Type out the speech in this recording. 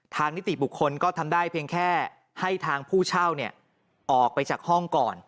นิติบุคคลก็ทำได้เพียงแค่ให้ทางผู้เช่าออกไปจากห้องก่อน